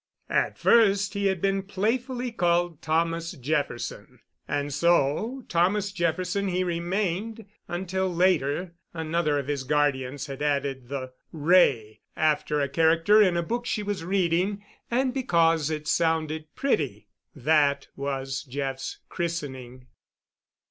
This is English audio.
At first he had been playfully called "Thomas Jefferson," and so Thomas Jefferson he remained until later another of his guardians had added the "Wray" after a character in a book she was reading and "because it sounded pretty." That was Jeff's christening.